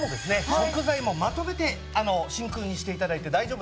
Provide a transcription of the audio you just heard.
食材もまとめて真空にして頂いて大丈夫なので。